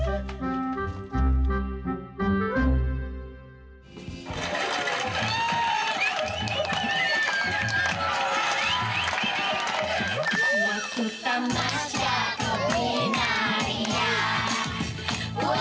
enggak kerasa udah setahun